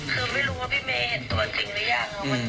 คือไม่รู้ว่าพี่เมย์เห็นตัวจริงหรือยัง